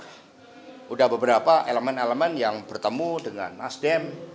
sudah beberapa elemen elemen yang bertemu dengan nasdem